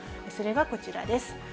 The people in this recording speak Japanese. それがこちらです。